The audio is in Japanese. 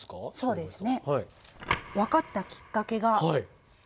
そうです。